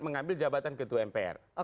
mengambil jabatan ketua mpr